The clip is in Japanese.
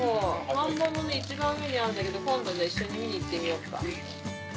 田んぼの一番上にあるんだけど、今度一緒に見に行ってみよっか。